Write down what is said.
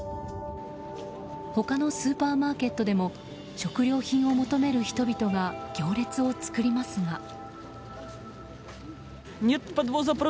他のスーパーマーケットでも食料品を求める人々が行列を作りますが。